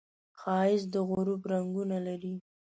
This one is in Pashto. ښایست د غروب رنګونه لري